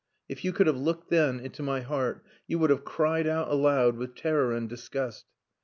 If you could have looked then into my heart, you would have cried out aloud with terror and disgust.